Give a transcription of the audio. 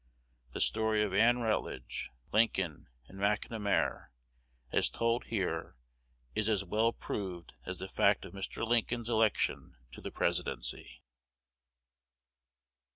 The story of Ann Rutledge, Lincoln, and McNamar, as told here, is as well proved as the fact of Mr. Lincoln's election to the Presidency.